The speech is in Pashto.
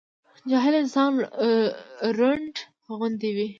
جاهل انسان رونډ غوندي وي